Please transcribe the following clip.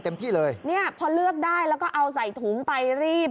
เต็มที่เลยพอเลือกได้แล้วก็เอาใส่ถุงไปจบ